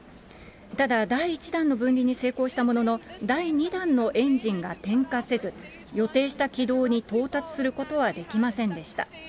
ただ第１段の分離に成功したものの第２段のエンジンが点火せず、予定した軌道に到達することはできませんでした。